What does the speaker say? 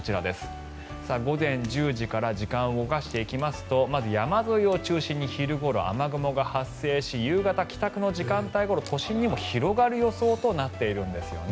午前１０時から時間を動かしていきますとまず山沿いを中心に昼ごろ雨雲が発生し夕方、帰宅の時間帯ごろ都心にも広がる予想となっているんですね。